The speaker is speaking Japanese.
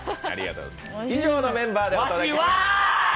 以上のメンバーでお届けわしはい！！